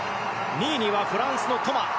２位にはフランスのトマ。